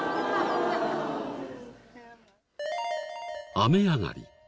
雨上がり。